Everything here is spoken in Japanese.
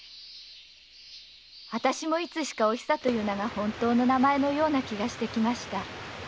私もいつしか“お久”が本当の名前のような気がしてきました。